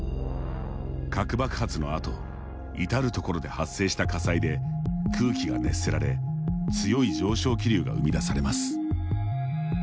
核爆発のあと至る所で発生した火災で空気が熱せられ強い上昇気流が生み出されます。